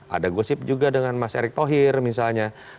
ada gosip juga dengan mas erick thohir misalnya